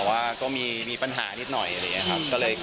แต่ว่าก็มีปัญหานิดหน่อยอะไรอย่างนี้ครับ